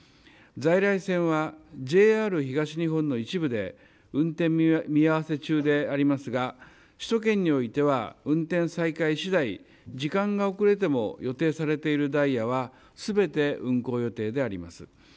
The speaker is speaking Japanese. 在来線はＪＲ東日本の一部で運転見合わせ中でありますが、首都圏においては運転再開しだい時間が遅れても予定されているダイヤはすべて運行予定であります。